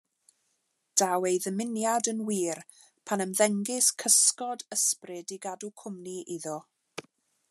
Daw ei ddymuniad yn wir pan ymddengys cysgod ysbryd i gadw cwmni iddo.